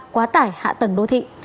quá tải hạ tầng đô thị